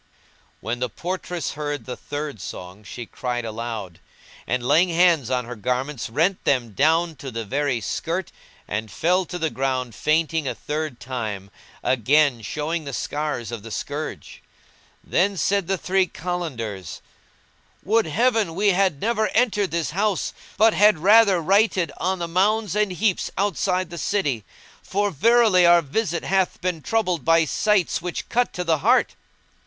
When the portress heard the third song she cried aloud; and, laying hands on her garments, rent them down to the very skirt and fell to the ground fainting a third time, again showing the scars of the scourge. Then said the three Kalandars, "Would Heaven we had never entered this house, but had rather nighted on the mounds and heaps outside the city! for verily our visit hath been troubled by sights which cut to the heart."